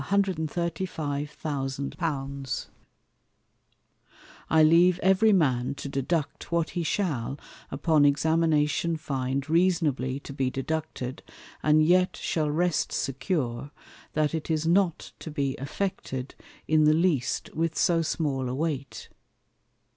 _ I leave every Man to deduct what he shall upon examination find reasonably to be deducted, and yet shall rest secure, that it is not to be effected in the least with so small a Weight.